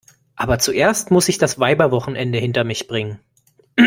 Aber zuerst muss ich das Weiberwochenende hinter mich bringen.